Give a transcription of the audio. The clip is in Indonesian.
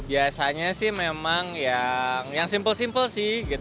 biasanya sih memang yang simple simple